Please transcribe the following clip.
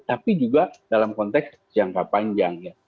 tapi juga dalam konteks jangka panjang ya